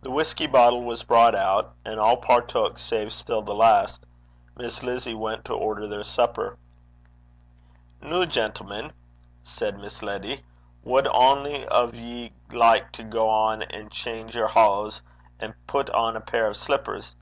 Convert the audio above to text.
The whisky bottle was brought out, and all partook, save still the last. Miss Lizzie went to order their supper. 'Noo, gentlemen,' said Miss Letty, 'wad ony o' ye like to gang an' change yer hose, and pit on a pair o' slippers?'